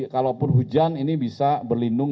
kalaupun hujan ini bisa berlindung